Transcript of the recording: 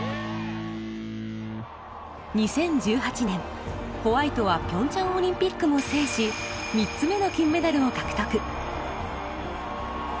２０１８年ホワイトはピョンチャンオリンピックも制し３つ目の金メダルを獲得。